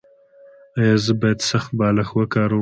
ایا زه باید سخت بالښت وکاروم؟